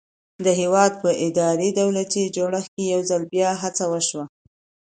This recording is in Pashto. د هېواد په اداري دولتي جوړښت کې یو ځل بیا هڅه وشوه.